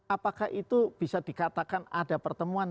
apakah itu bisa dikatakan ada pertemuan